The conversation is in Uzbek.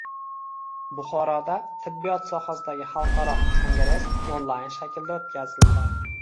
Buxoroda tibbiyot sohasidagi xalqaro kongress onlayn shaklda o‘tkazildi